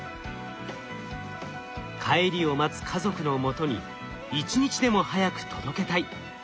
帰りを待つ家族のもとに一日でも早く届けたい。